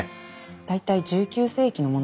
大体１９世紀のものですね。